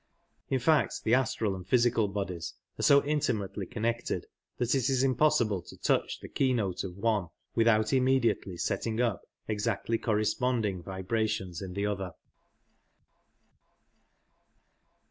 In f^ct the astral and physical bodies are so intimately connected that it is impossibl/e to touch the keynote of one without inii]9e;(jU^ely ^ptt^g up exactly cprresppndipg vibrations in the other.